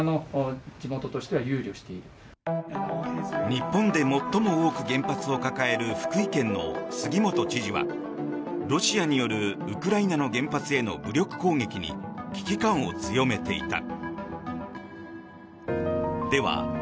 日本で最も多く原発を抱える福井県の杉本知事はロシアによるウクライナの原発への武力攻撃に危機感を強めていた。